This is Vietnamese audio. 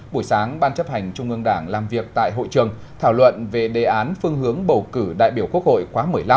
buổi sáng ban chấp hành trung ương đảng làm việc tại hội trường thảo luận về đề án phương hướng bầu cử đại biểu quốc hội khóa một mươi năm